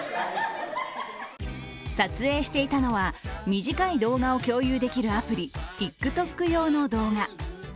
撮影していたのは短い動画を共有できるアプリＴｉｋＴｏｋ用の動画。